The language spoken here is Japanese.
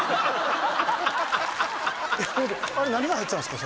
あれ何が入ってたんですか？